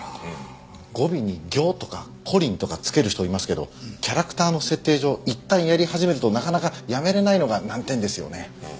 語尾に「ギョ」とか「コリン」とか付ける人いますけどキャラクターの設定上いったんやり始めるとなかなかやめられないのが難点ですよね。